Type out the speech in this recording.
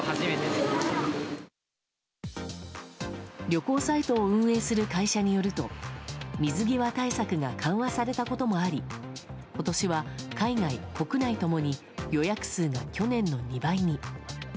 旅行サイトを運営する会社によると水際対策が緩和されたこともあり今年は海外・国内共に予約数が去年の２倍に。